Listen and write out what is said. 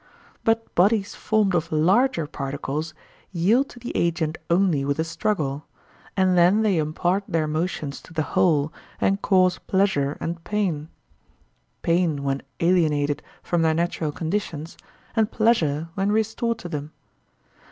But bodies formed of larger particles yield to the agent only with a struggle; and then they impart their motions to the whole and cause pleasure and pain—pain when alienated from their natural conditions, and pleasure when restored to them.